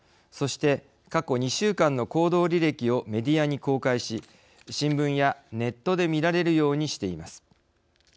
そして、過去２週間の行動履歴をメディアに公開し新聞やネットで見られるようにしています。